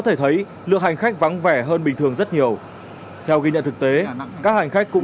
thể thấy lượng hành khách vắng vẻ hơn bình thường rất nhiều theo ghi nhận thực tế các hành khách cũng